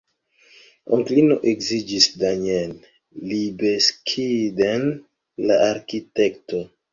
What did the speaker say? Onklino edziniĝis Daniel Libeskind-n, la arkitekto.